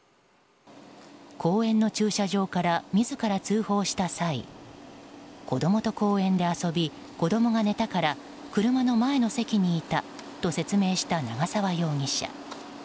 公園の駐車場から自ら通報した際子供と公園で遊び子供が寝たから車の前の席にいたと説明した長沢容疑者。